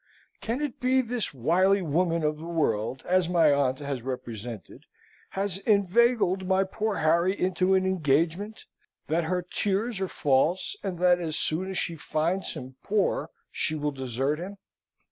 Can it be that this wily woman of the world, as my aunt has represented, has inveigled my poor Harry into an engagement, that her tears are false, and that as soon as she finds him poor she will desert him?